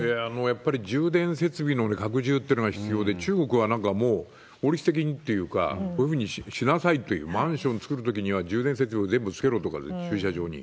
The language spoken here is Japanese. やっぱり充電設備の拡充っていうのが必要で、中国はなんかもう法律的にというか、こういうふうにしなさいっていう、マンション造るときには充電設備を全部つけろとか、駐車場に。